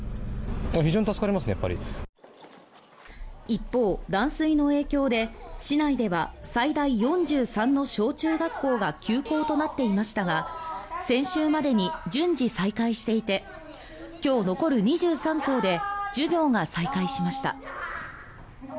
一方、断水の影響で市内では最大４３の小中学校が休校となっていましたが先週までに順次再開していて今日、残る２３校で授業が再開しました。